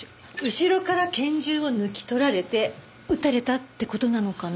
後ろから拳銃を抜き取られて撃たれたって事なのかな？